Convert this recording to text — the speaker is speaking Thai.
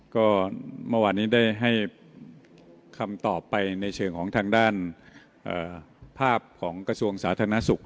ก็เมื่อวานนี้ได้ให้คำตอบไปในเชิงของทางด้านภาพของกระทรวงสาธารณสุข